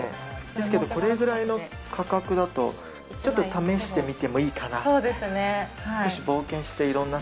ですけど、これぐらいの価格だと、ちょっと試してみてもいいかなみたいな。